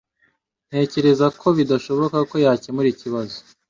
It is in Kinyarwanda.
Ntekereza ko bidashoboka ko yakemura ikibazo.